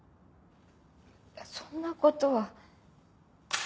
そんなことは。